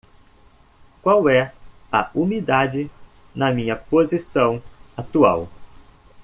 Qual é a umidade na minha posição atual?